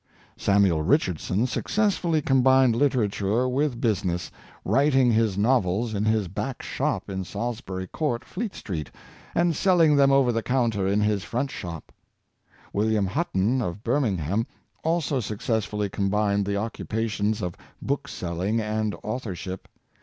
Samuel Richardson successfully combined literature with business — writing his novels in his back shop in Salisbury court. Fleet Street, and selling them over the counter in his front shop. William Hutton, of Birming ham, also successfully combined the occupations of bookselling and authorship.